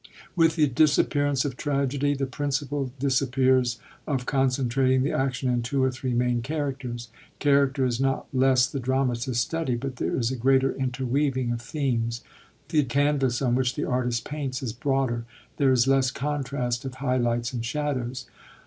With the disappearance of tragedy, the principle dis appears of concentrating the action in two or three main characters. Character is not less the dramatist's study, but there is a greater interweaving of themes; the canvas on which the artist paints is broader ; there is less contrast of high lights and shadows.